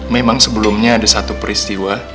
memang sebelumnya ada satu peristiwa